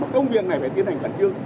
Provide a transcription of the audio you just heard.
công viên này phải tiến hành bằng chương